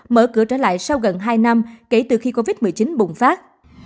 mở cửa trở lại sau gần hai năm kể từ khi covid một mươi chín bùng phát